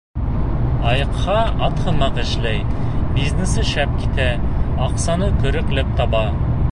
Айыҡһа, ат һымаҡ эшләй, бизнесы шәп китә, аҡсаны көрәкләп таба.